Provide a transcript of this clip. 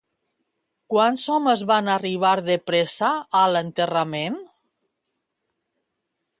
Quants homes van arribar de pressa a l'enterrament?